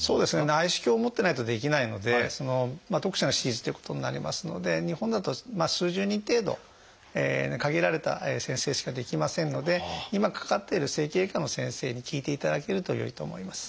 内視鏡を持ってないとできないので特殊な手術ということになりますので日本だと数十人程度の限られた先生しかできませんので今かかっている整形外科の先生に聞いていただけるとよいと思います。